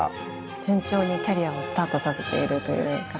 順調にキャリアをスタートさせているという形ですね。